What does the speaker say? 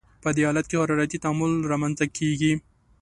په دې حالت کې حرارتي تعادل رامنځته کیږي.